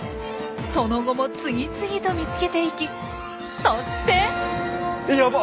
その後も次々と見つけていきそして。